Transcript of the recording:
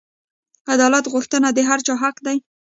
عدالت غوښتنه د هر چا حق دی.